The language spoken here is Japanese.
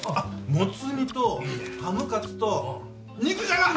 もつ煮とハムカツと肉じゃが！